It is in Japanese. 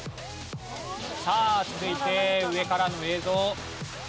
さあ続いて上からの映像。